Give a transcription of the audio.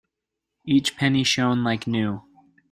Each penny shone like new.